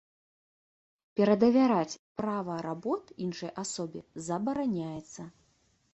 Перадавяраць права работ іншай асобе забараняецца.